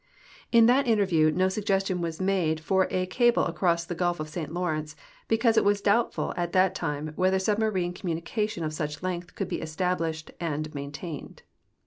In that in terview no suggestion was made for a cable across the gulf of St. Lawrence, because it was doubtful at that time whether sub marine communication of such length could 4>e established and maintained.